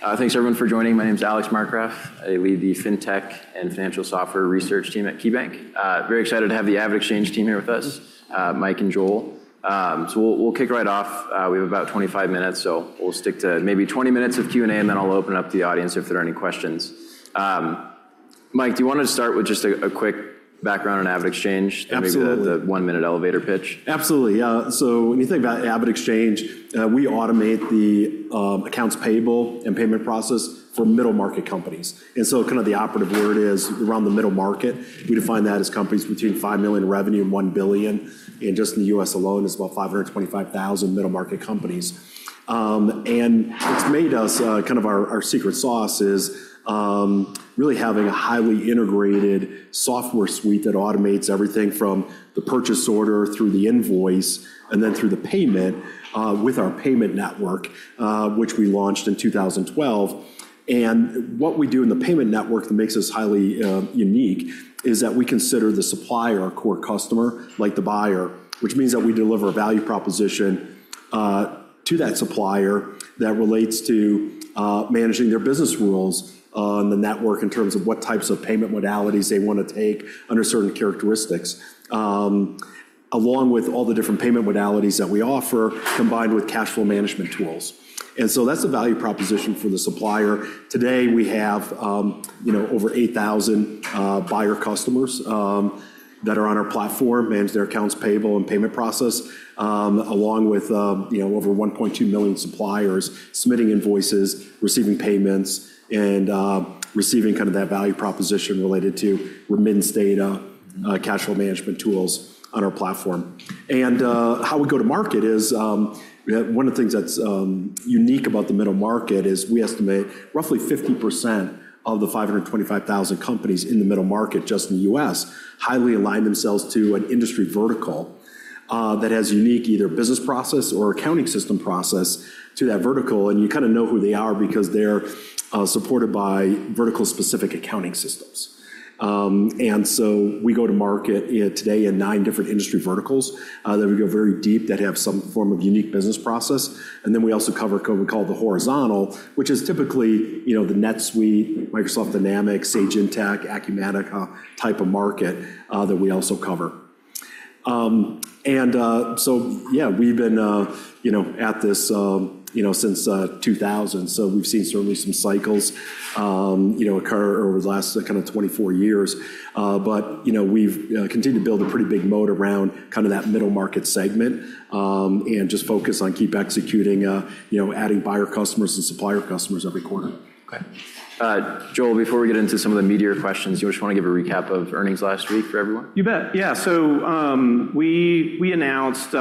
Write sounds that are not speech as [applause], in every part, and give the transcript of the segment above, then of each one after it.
Thanks, everyone, for joining my name is Alex Markgraf. I lead the FinTech and Financial Software Research team at KeyBanc. Very excited to have the AvidXchange team here with us, Mike and Joel. So, we'll kick right off. We have about 25 minutes, so, we'll stick to maybe 20 minutes of Q&A, and then I'll open up to the audience if there are any questions. Mike, do you want to start with just a quick background on AvidXchange? Absolutely. The 1-minute elevator pitch. Absolutely. Yeah. So, when you think about AvidXchange, we automate the accounts payable and payment process for middle market companies. And so kind of the operative word is around the middle market. We define that as companies between $5 million in revenue and $1 billion. And just in the U.S. alone, it's about 525,000 middle market companies. And what's made us kind of our secret sauce is really having a highly integrated software suite that automates everything from the purchase order through the invoice and then through the payment with our payment network, which we launched in 2012. What we do in the payment network that makes us highly unique is that we consider the supplier, our core customer, like the buyer, which means that we deliver a value proposition to that supplier that relates to managing their business rules on the network in terms of what types of payment modalities they want to take under certain characteristics, along with all the different payment modalities that we offer, combined with cash flow management tools. So, that's the value proposition for the supplier. Today, we have over 8,000 buyer customers that are on our platform, manage their accounts payable and payment process, along with over 1.2 million suppliers submitting invoices, receiving payments, and receiving kind of that value proposition related to remittance data, cash flow management tools on our platform. And how we go to market is one of the things that's unique about the middle market is we estimate roughly 50% of the 525,000 companies in the middle market just in the U.S. highly align themselves to an industry vertical. That has unique either business process or accounting system process to that vertical and you kind of know who they are because they're supported by vertical-specific accounting systems. And so, we go to market today in nine different industry verticals that we go very deep that have some form of unique business process. And then we also cover what we call the horizontal, which is typically the NetSuite, Microsoft Dynamics, Sage Intacct, Acumatica type of market that we also cover. And so, yeah, we've been at this since 2000. So, we've seen certainly some cycles occur over the last kind of 24 years. But, we've continued to build a pretty big moat around kind of that Middle Market segment and just focus on keep executing, adding buyer customers and supplier customers every quarter. Okay. Joel, before we get into some of the meatier questions, you just want to give a recap of earnings last week for everyone? You bet. Yeah. So, we announced,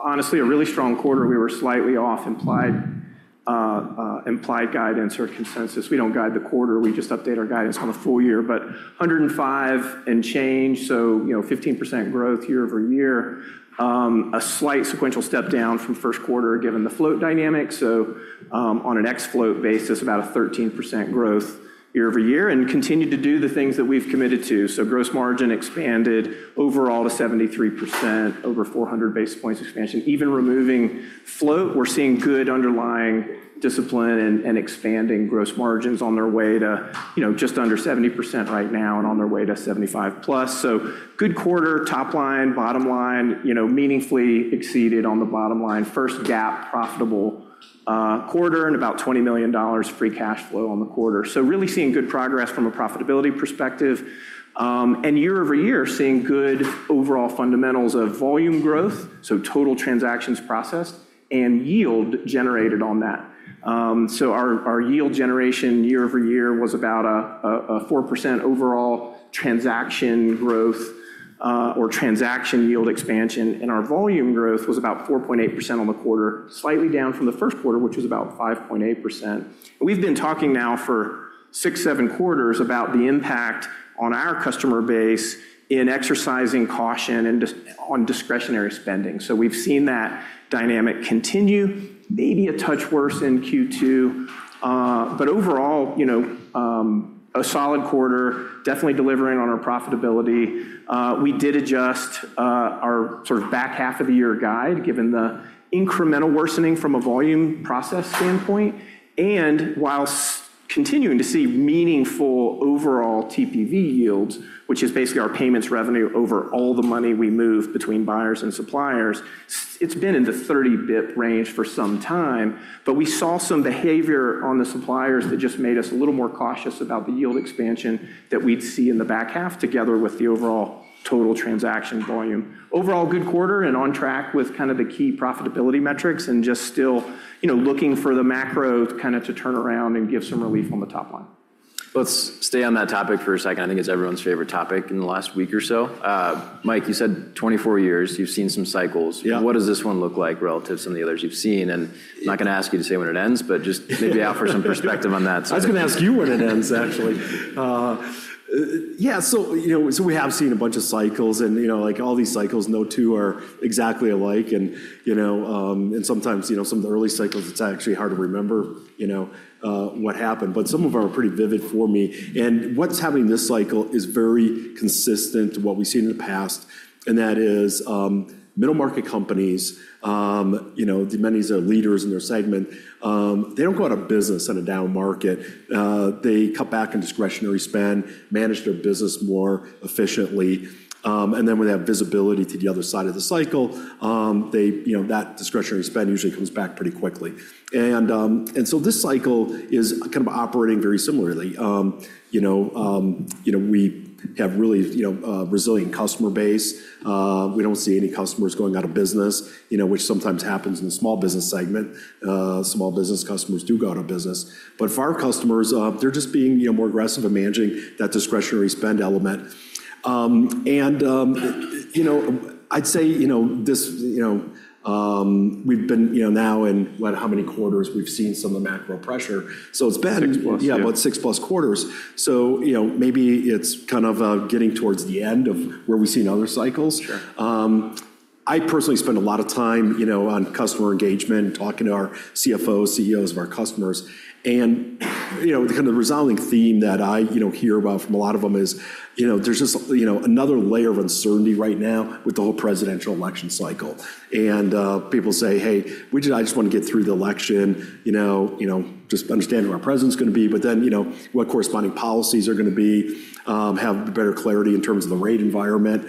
honestly, a really strong quarter we were slightly off implied guidance or consensus we don't guide the quarter. We just update our guidance on the full year. But, $105 and change, so 15% growth year-over-year. A slight sequential step down from first quarter given the float dynamic. So, on an ex-float basis, about a 13% growth year-over-year and continue to do the things that we've committed to so, gross margin expanded overall to 73%, over 400 basis points expansion even removing float, we're seeing good underlying discipline and expanding gross margins on their way to just under 70% right now and on their way to 75+%. So, good quarter, top line, bottom line, meaningfully exceeded on the bottom line. First GAAP profitable quarter and about $20 million free cash flow on the quarter so, really seeing good progress from a profitability perspective. And year-over-year, seeing good overall fundamentals of volume growth, so, total transactions processed and yield generated on that. So, our yield generation year-over-year was about a 4% overall transaction growth or transaction yield expansion and our volume growth was about 4.8% on the quarter, slightly down from the Q1, which was about 5.8%. But, we've been talking now for six, seven quarters about the impact on our customer base in exercising caution on discretionary spending. So, we've seen that dynamic continue, maybe a touch worse in Q2. But overall, a solid quarter, definitely delivering on our profitability. We did adjust our sort of back half of the year guide given the incremental worsening from a volume process standpoint. While continuing to see meaningful overall TPV yields, which is basically our payments revenue over all the money we move between buyers and suppliers, it's been in the 30 basis point range for some time. We saw some behavior on the suppliers that just made us a little more cautious about the yield expansion that we'd see in the back half together with the overall total transaction volume. Overall, good quarter and on track with kind of the key profitability metrics and just still looking for the macro kind of to turn around and give some relief on the top line. Let's stay on that topic for a second i think it's everyone's favorite topic in the last week or so. Mike, you said 24 years. You've seen some cycles. What does this one look like relative to some of the others you've seen? And I'm not going to ask you to say when it ends, but just maybe offer some perspective on that. I was going to ask you when it ends, actually. Yeah. So, we have seen a bunch of cycles like all these cycles, no two are exactly alike. Sometimes some of the early cycles, it's actually hard to remember what happened but, some of them are pretty vivid for me. What's happening this cycle is very consistent to what we've seen in the past. That is middle-market companies, many of the leaders in their segment, they don't go out of business on a down-market. They cut back on discretionary spend, manage their business more efficiently. Then when they have visibility to the other side of the cycle, that discretionary spend usually comes back pretty quickly. So, this cycle is kind of operating very similarly. We have really resilient customer base. We don't see any customers going out of business, which sometimes happens in the small business segment. Small business customers do go out of business. But, for our customers, they're just being more aggressive in managing that discretionary spend element. And I'd say we've been now in how many quarters we've seen some of the macro pressure. So, it's been, yeah, about 6+ quarters. So, maybe it's kind of getting towards the end of where we've seen other cycles. I personally spend a lot of time on customer engagement, talking to our CFOs, CEOs of our customers. And, the kind of resounding theme that I hear about from a lot of them is there's just another layer of uncertainty right now with the whole presidential election cycle. And, people say, "Hey, we just want to get through the election, just understanding what our president's going to be, but, then what corresponding policies are going to be, have better clarity in terms of the rate environment."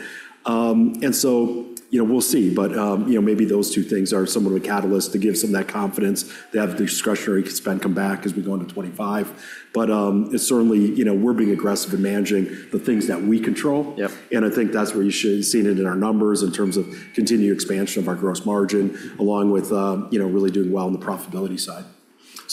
And so, we'll see. But, maybe those two things are somewhat of a catalyst to give some of that confidence to have the discretionary spend come back as we go into 2025. But, certainly, we're being aggressive in managing the things that we control. And I think that's where you should have seen it in our numbers in terms of continued expansion of our gross margin, along with really doing well on the profitability side.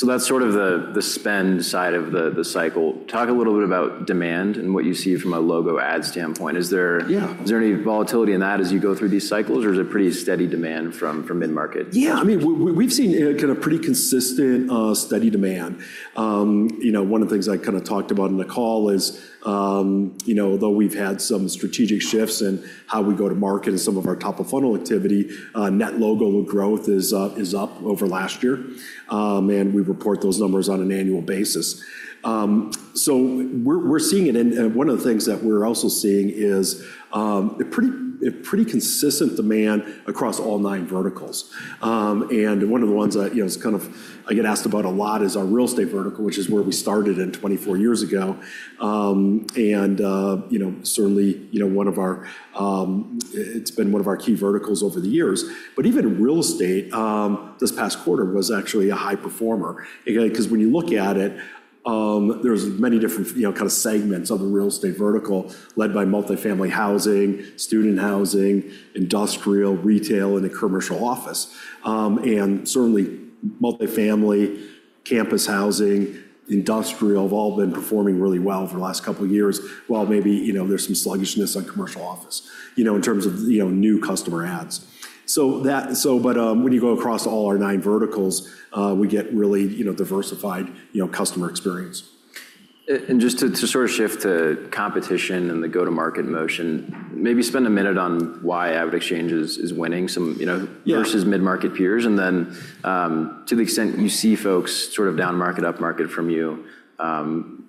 That's sort of the spend side of the cycle. Talk a little bit about demand and what you see from a logo-add standpoint. Is there any volatility in that as you go through these cycles? or is it pretty steady demand from mid-market? Yeah. I mean, we've seen kind of pretty consistent steady demand. One of the things I kind of talked about in the call is, although we've had some strategic shifts in how we go to market and some of our top-of-funnel activity, net logo growth is up over last year. And we report those numbers on an annual basis. So we're seeing it. And, one of the things that we're also seeing is pretty consistent demand across all nine verticals. And, one of the ones that kind of I get asked about a lot is our real estate vertical, which is where we started in 24 years ago. And, certainly, one of our it's been one of our key verticals over the years. But, even real estate this past quarter was actually a high performer. Because when you look at it, there's many different kind of segments of the real estate vertical led by multifamily housing, student housing, industrial, retail, and commercial office. And certainly, multifamily, campus housing, industrial have all been performing really well over the last couple of years, while maybe there's some sluggishness on commercial office in terms of new customer adds. But, when you go across all our nine verticals, we get really diversified customer experience. Just to sort of shift to competition and the go-to-market motion, maybe spend a minute on why AvidXchange is winning versus mid-market peers and then, to the extent you see folks sort of down market, up market from you,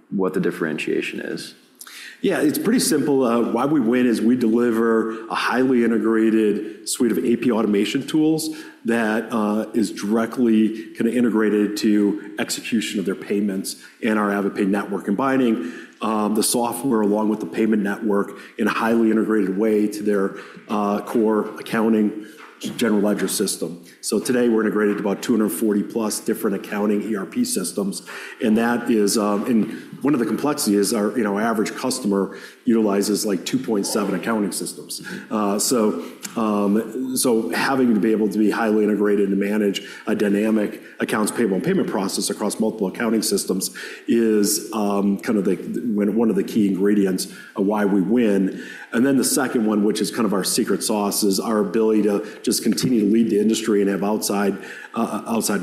what the differentiation is? Yeah. It's pretty simple. Why we win is we deliver a highly integrated suite of AP automation tools. That is directly kind of integrated to execution of their payments and our AvidPay network, combining the software along with the payment network in a highly integrated way to their core accounting general ledger system. So, today, we're integrated to about 240-plus different accounting ERP systems. And one of the complexities is our average customer utilizes like 2.7 accounting systems. So, having to be able to be highly integrated and manage a dynamic accounts payable and payment process across multiple accounting systems is kind of one of the key ingredients of why we win. And then the second one, which is kind of our secret sauce, is our ability to just continue to lead the industry and have outside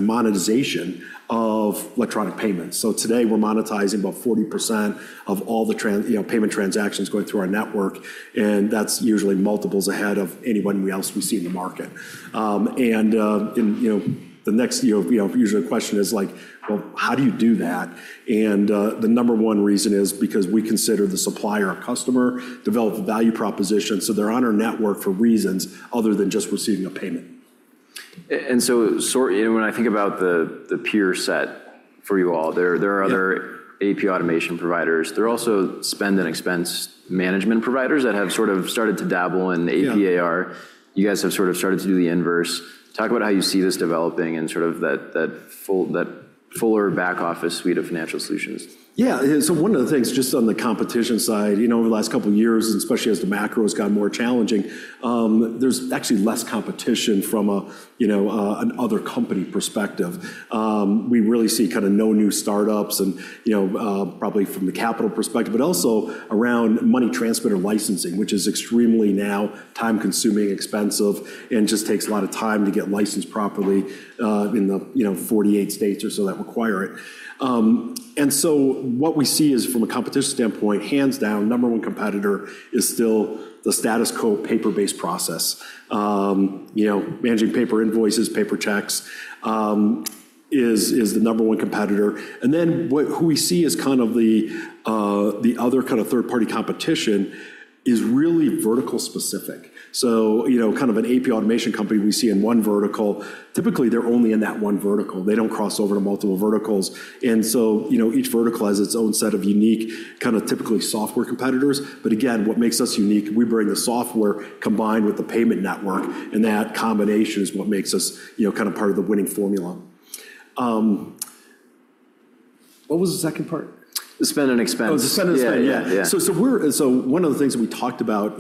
monetization of electronic payments. So today, we're monetizing about 40% of all the payment transactions going through our network. And, that's usually multiples ahead of anyone else we see in the market. And, the next usual question is like, "Well, how do you do that?" And, the number one reason is because we consider the supplier or customer developed a value proposition. So, they're on our network for reasons, other than just receiving a payment. When I think about the peer set for you all, there are other AP automation providers. There are also spend and expense management providers that have sort of started to dabble in AP/AR. You guys have sort of started to do the inverse. Talk about how you see this developing and sort of that fuller back office suite of financial solutions. Yeah. So, one of the things just on the competition side, over the last couple of years, and especially as the macro has gotten more challenging, there's actually less competition from another company perspective. We really see kind of no new startups and probably from the capital perspective, but also, around money transmitter licensing, which is extremely now time-consuming, expensive, and just takes a lot of time to get licensed properly in the 48 states or so that require it. And so, what we see is from a competition standpoint, hands down, number one competitor is still the status quo paper-based process. Managing paper invoices, paper checks is the number one competitor. And then, what we see as kind of the other kind of third-party competition is really Vertical-specific. So, kind of an AP automation company we see in one Vertical, typically they're only in that one Vertical they don't cross over to multiple verticals. And so, each vertical has its own set of unique kind of typically software competitors. But again, what makes us unique, we bring the software combined with the payment network. And that combination is what makes us kind of part of the winning formula. What was the second part? The spend and expense. Oh, the spend and expense. Yeah. So, one of the things that we talked about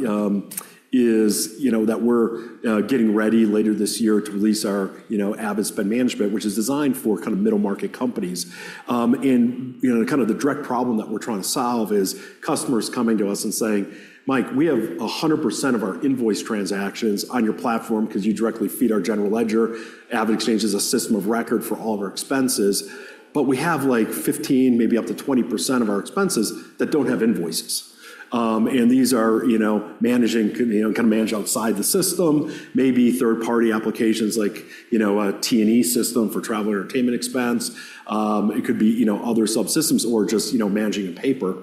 is that we're getting ready later this year to release our Avid Spend Management, which is designed for kind of middle market companies. And, kind of the direct problem that we're trying to solve is customers coming to us and saying, "Mike, we have 100% of our invoice transactions on your platform because you directly feed our general ledger. AvidXchange is a system of record for all of our expenses. But, we have like 15%-20% of our expenses that don't have invoices." And, these are kind of managed outside the system, maybe third-party applications like a T&E system for travel and entertainment expense. It could be other subsystems or just managing in paper.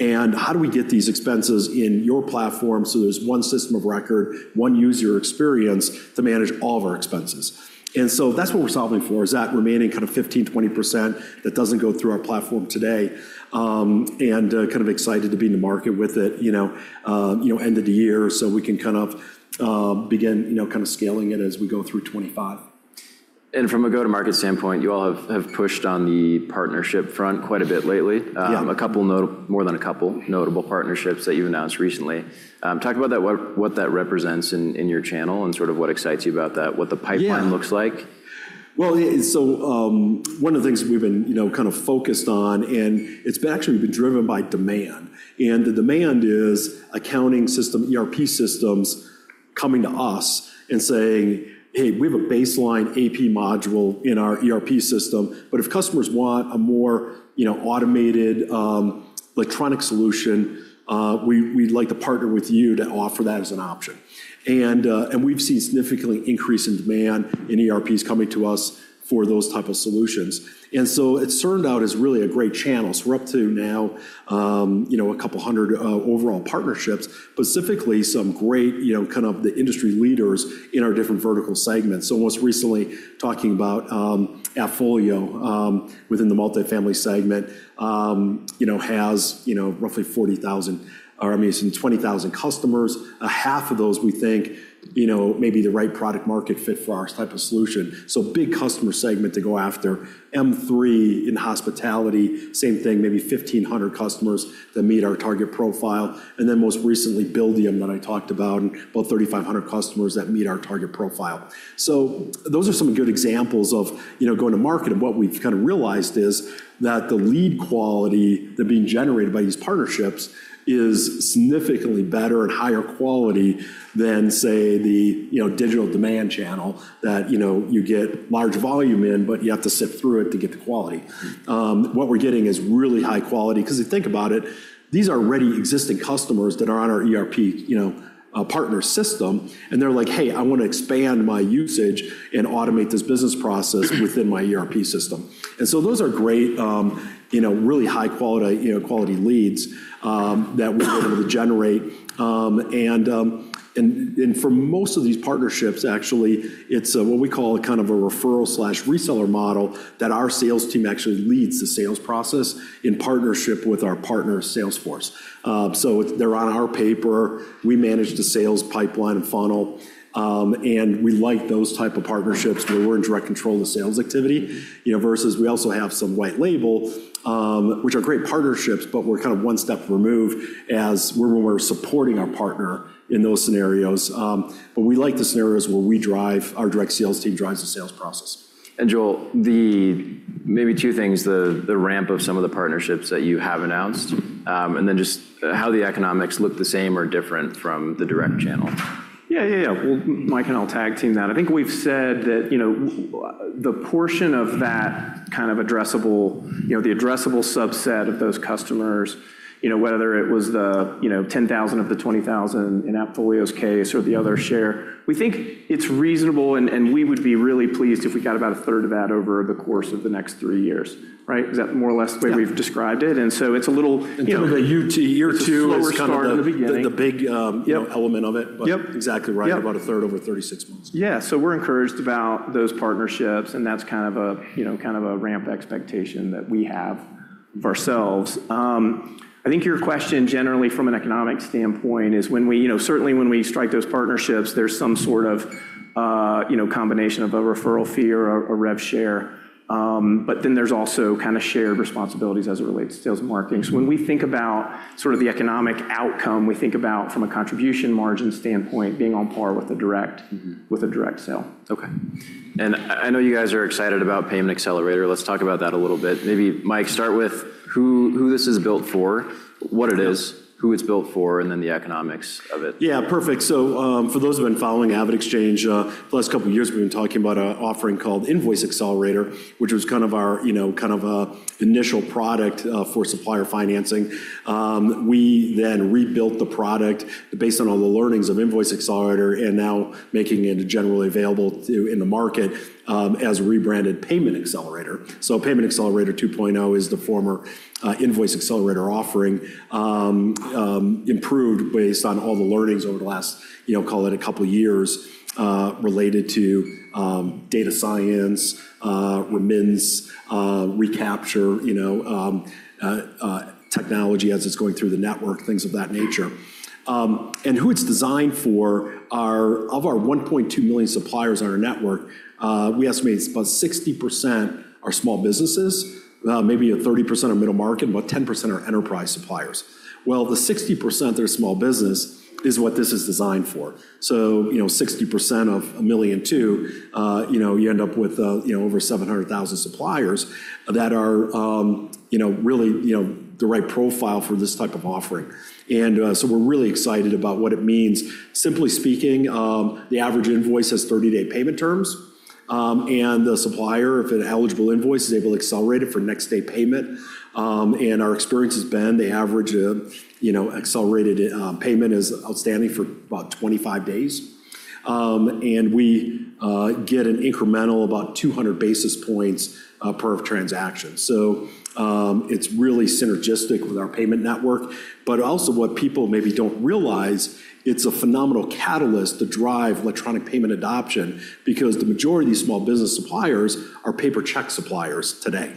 How do we get these expenses? in your platform so, there's one system of record, one user experience to manage all of our expenses? So, that's what we're solving for, is that remaining kind of 15%-20% that doesn't go through our platform today. Kind of excited to be in the market with it end of the year so, we can kind of begin kind of scaling it as we go through 2025. From a go-to-market standpoint, you all have pushed on the partnership front quite a bit lately. A couple, more than a couple, notable partnerships that you announced recently. Talk about what that represents in your channel and sort of what excites you about that, what the pipeline looks like? Well, so one of the things we've been kind of focused on, and it's actually been driven by demand. The demand is accounting system, ERP systems coming to us and saying, "Hey, we have a baseline AP module in our ERP system. But, if customers want a more automated electronic solution, we'd like to partner with you to offer that as an option." We've seen significantly increase in demand in ERPs coming to us for those type of solutions. So, it's turned out as really a great channel we're up to now 200 overall partnerships, specifically some great kind of the industry leaders in our different vertical segments. So most recently, talking about AppFolio within the multifamily segment has roughly 40,000, I mean, some 20,000 customers. Half of those, we think, may be the right product-market fit for our type of solution. So, big customer segment to go after. M3 in hospitality, same thing, maybe 1,500 customers that meet our target profile. And then most recently, Buildium that I talked about, about 3,500 customers that meet our target profile. So, those are some good examples of going to market and what we've kind of realized is, that the lead quality that being generated by these partnerships is significantly better and higher quality than, say, the digital demand channel that you get large volume in, but, you have to sift through it to get the quality. What we're getting is really high quality because if you think about it, these are already existing customers that are on our ERP partner system. And they're like, "Hey, I want to expand my usage and automate this business process within my ERP system." And so those are great, really high-quality leads that we're able to generate. For most of these partnerships, actually, it's what we call kind of a referral/reseller model that our sales team actually leads the sales process in partnership with our partner salesforece. So, they're on our paper. We manage the sales pipeline and funnel. We like those type of partnerships where we're in direct control of the sales activity, versus we also have some white label, which are great partnerships, but, we're kind of one step removed, as we're supporting our partner in those scenarios. But, we like the scenarios where we drive our direct sales team drives the sales process. Joel, maybe two things, the ramp of some of the partnerships that you have announced, and then just how the economics look the same or different from the direct channel. Yeah, yeah, yeah. Well, Mike and I'll tag team that i think we've said that the portion of that kind of addressable, the addressable subset of those customers, whether it was the 10,000 of the 20,000 in AppFolio's case or the other share, we think it's reasonable, and we would be really pleased if we got about a third of that over the course of the next three years, right? Is that more or less the way we've described it? And so it's a little. Until the year 2 or start of the big. The big element of it, but, exactly right about a third over 36 months. Yeah. So we're encouraged about those partnerships and that's kind of a kind of a ramp expectation that we have of ourselves. I think your question generally from an economic standpoint is when we certainly when we strike those partnerships, there's some sort of combination of a referral fee or a rev share. But, then there's also kind of shared responsibilities as it relates to sales and marketing. So, when we think about sort of the economic outcome, we think about from a contribution margin standpoint being on par with a direct sale. Okay. I know you guys are excited about Payment Accelerator. Let's talk about that a little bit. Maybe Mike, start with who this is built for, what it is? who it's built for? and then the economics of it. Yeah, perfect. So, for those who have been following AvidXchange, the last couple of years, we've been talking about an offering called Invoice Accelerator, which was kind of our kind of initial product for supplier financing. We then rebuilt the product based on all the learnings of Invoice Accelerator and now making it generally available in the market as a rebranded Payment Accelerator. So, Payment Accelerator 2.0 is the former Invoice Accelerator offering improved based on all the learnings over the last, call it a couple of years. Related to data science, remittance, recapture technology as it's going through the network, things of that nature. And, who it's designed for, of our 1.2 million suppliers on our network, we estimate about 60% are small businesses, maybe 30% are middle market, about 10% are enterprise suppliers. Well, the 60% that are small business is what this is designed for. So, 60% of 1.2 million, you end up with over 700,000 suppliers that are really the right profile for this type of offering. And, so we're really excited about what it means. Simply speaking, the average invoice has 30-day payment terms. And, the supplier, if an eligible invoice is able to accelerate it for next-day payment. And our experience has been the average accelerated payment is outstanding for about 25 days. And, we get an incremental about 200 basis points per transaction. So, it's really synergistic with our payment network. But also what people maybe don't realize, it's a phenomenal catalyst to drive electronic payment adoption because the majority of these small business suppliers are paper check suppliers today.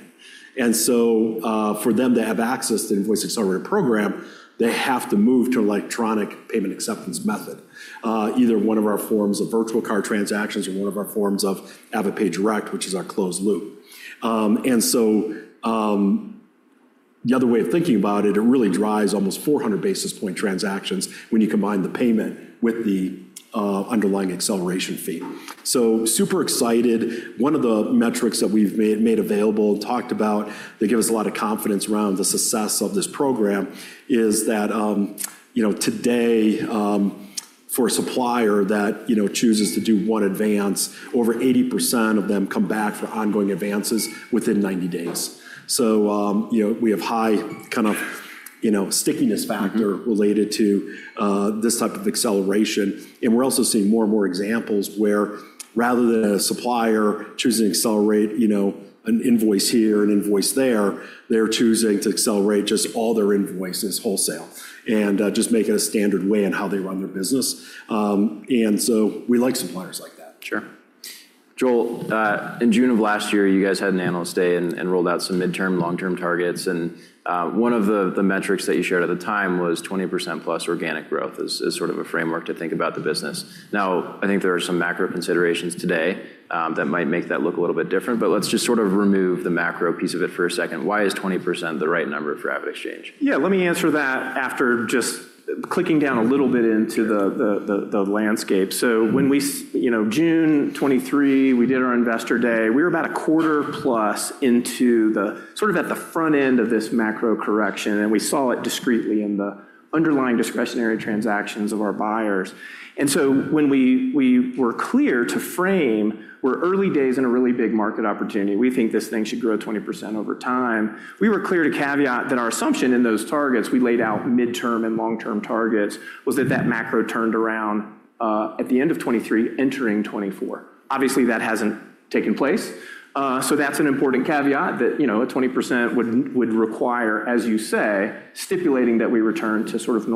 For them to have access to the Invoice Accelerator program, they have to move to an electronic payment acceptance method, either one of our forms of virtual card transactions or one of our forms of AvidPay Direct, which is our closed loop. The other way of thinking about it, it really drives almost 400 basis point transactions when you combine the payment with the underlying acceleration fee. So, super excited. One of the metrics that we've made available, talked about, that gives us a lot of confidence around the success of this program is that today, for a supplier that chooses to do one advance, over 80% of them come back for ongoing advances within 90 days. We have high kind of stickiness factor related to this type of acceleration. We're also seeing more and more examples where rather than a supplier choosing to accelerate an invoice here and invoice there, they're choosing to accelerate just all their invoices wholesale and just make it a standard way in how they run their business. So, we like suppliers like that. Sure. Joel, in June of last year, you guys had an analyst day and rolled out some midterm, long-term targets. And, one of the metrics that you shared at the time was 20%+ organic growth as sort of a framework to think about the business. Now, I think there are some macro considerations today that might make that look a little bit different. But, let's just sort of remove the macro piece of it for a second why is 20% the right number for AvidXchange? Yeah, let me answer that after just clicking down a little bit into the landscape. So, when we June 2023, we did our investor day, we were about a quarter plus into the sort of at the front end of this macro correction and so, when we were clear to frame, we're early days in a really big market opportunity we think this thing should grow 20% over time. We were clear to caveat that our assumption in those targets, we laid out midterm and long-term targets, was that that macro turned around at the end of 2023, entering 2024. Obviously, that hasn't taken place. So, that's an important caveat that 20% would require, as you say, stipulating that we return to sort of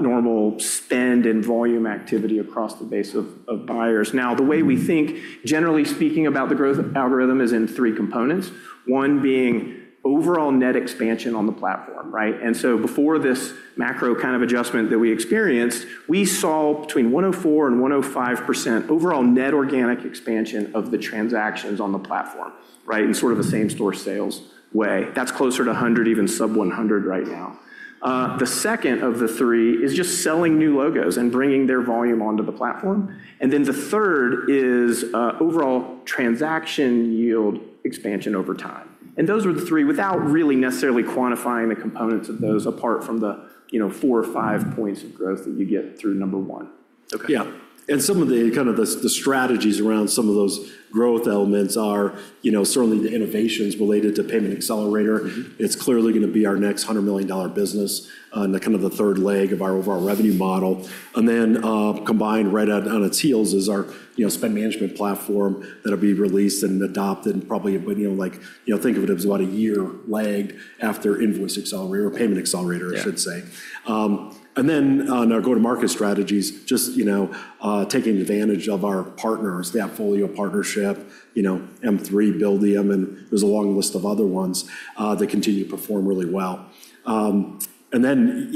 normal spend and volume activity across the base of buyers now, the way we think, generally speaking, about the growth algorithm is in 3 components. One being, overall net expansion on the platform, right? And so before this macro kind of adjustment that we experienced, we saw between 104% and 105% overall net organic expansion of the transactions on the platform, right, in sort of a same-store sales way. That's closer to 100%, even sub-100% right now. The 2nd of the 3 is just selling new logos and bringing their volume onto the platform. And then the 3rd is overall transaction yield expansion over time. And those were the 3 without really necessarily quantifying the components of those apart from the 4 or 5 points of growth that you get through number one. Yeah. And some of the kind of the strategies around some of those growth elements are certainly the innovations related to Payment Accelerator. It's clearly going to be our next $100 million business and kind of the third leg of our overall revenue model. And then, combined right on its heels is our spend management platform that will be released and adopted probably like think of it as about a year lagged after Invoice Accelerator or Payment Accelerator, I should say. And then, on our go-to-market strategies, just taking advantage of our partners, the AppFolio partnership, M3, Buildium, and there's a long list of other ones that continue to perform really well. And then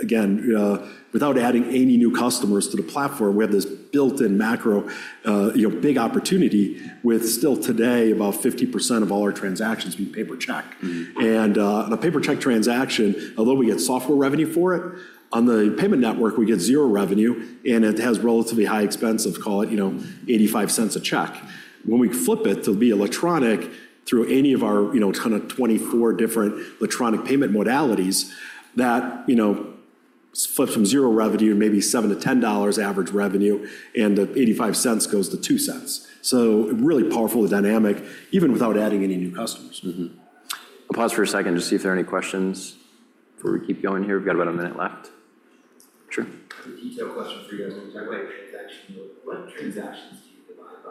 again, without adding any new customers to the platform, we have this built-in macro big opportunity with still today about 50% of all our transactions being paper check. On a paper check transaction, although we get software revenue for it, on the payment network, we get zero revenue. It has relatively high expense of, call it $0.85 a check. When we flip it to be electronic through any of our kind of 24 different electronic payment modalities, that flips from zero revenue to maybe $7-$10 average revenue, and the $0.85 goes to $0.02. So, really powerful dynamic, even without adding any new customers. I'll pause for a second to see if there are any questions before we keep going here we've got about a minute left. Sure. [crosstalk] A detailed question for you guys. What transactions do you divide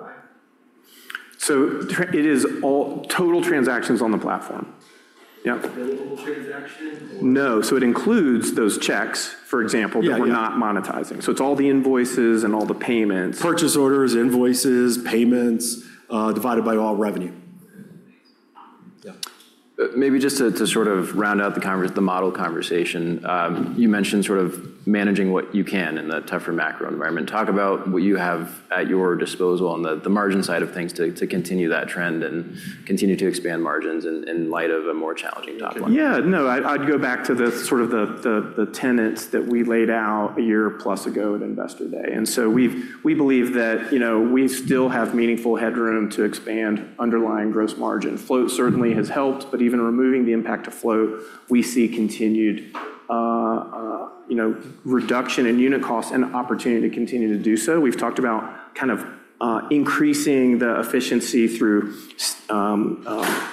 by? It is all total transactions on the platform. [inaudible] Available transactions? No. So it includes, those checks, for example, that we're not monetizing. So, it's all the invoices and all the payments. Purchase orders, invoices, payments divided by all revenue. Maybe just to sort of round out the model conversation, you mentioned sort of managing what you can in the tougher macro environment talk about what you have at your disposal on the margin side of things to continue that trend and continue to expand margins in light of a more challenging top line? Yeah. No, I'd go back to sort of the tenets that we laid out a year plus ago at Investor Day. And so we believe that we still have meaningful headroom to expand underlying gross margin float certainly has helped, but even removing the impact of float. We see continued reduction in unit cost and opportunity to continue to do so, we've talked about kind of increasing the efficiency through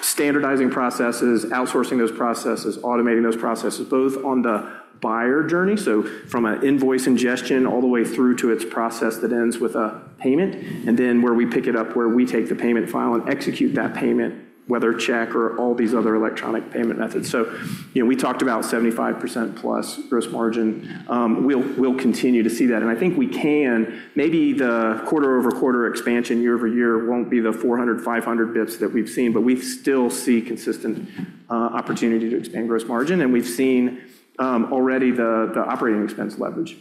standardizing processes, outsourcing those processes, automating those processes, both on the buyer journey, so, from an invoice ingestion all the way through to its process that ends with a payment, and then where we pick it up, where we take the payment file and execute that payment, whether check or all these other electronic payment methods. So, we talked about 75%+ gross margin. We'll continue to see that and I think we can. Maybe the quarter-over-quarter expansion year-over-year won't be the 400-500 basis points that we've seen, but, we still see consistent opportunity to expand gross margin we've seen already the operating expense leverage,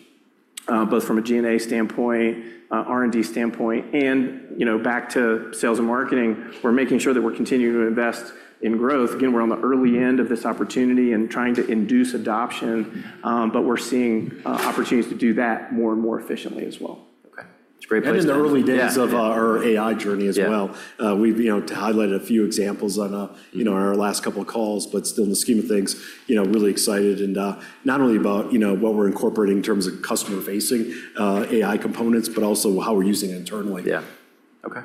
both from a G&A standpoint, R&D standpoint, and back to sales and marketing. We're making sure that we're continuing to invest in growth again, we're on the early end of this opportunity and trying to induce adoption, but we're seeing opportunities to do that more and more efficiently as well. Okay. It's a great place to start. In the early days of our AI journey as well. We've highlighted a few examples on our last couple of calls, but still in the scheme of things, really excited and not only about what we're incorporating in terms of customer-facing. AI components, but also how we're using it internally. Yeah. Okay.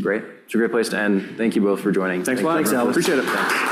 Great. It's a great place to end. Thank you both for joining. Thanks a lot. Thanks, Alex. Appreciate it. Thanks.